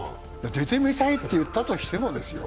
出てみたいと言ったとしても、ですよ。